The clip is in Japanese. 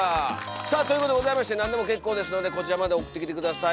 さあということでございまして何でも結構ですのでこちらまで送ってきて下さい。